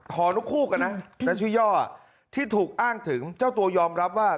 ลูกคู่กันนะชื่อย่อที่ถูกอ้างถึงเจ้าตัวยอมรับว่า